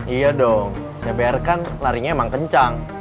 iya dong cpr kan larinya emang kenceng